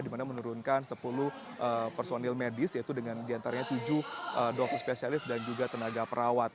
dimana menurunkan sepuluh personil medis yaitu dengan diantaranya tujuh dokter spesialis dan juga tenaga perawat